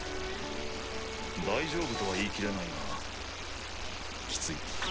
大丈夫とは言い切れないがキツイ。